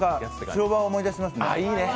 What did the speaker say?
昭和を思い出しますね。